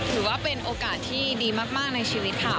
ถือว่าเป็นโอกาสที่ดีมากในชีวิตค่ะ